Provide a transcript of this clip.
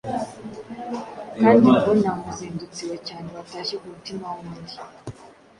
Kandi ngo: “Nta muzindutsi wa cyane watashye ku mutima w’undi!”